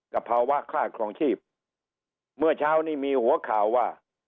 ภาวะค่าครองชีพเมื่อเช้านี้มีหัวข่าวว่า